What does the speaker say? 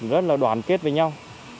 rất là đoàn kết với nhau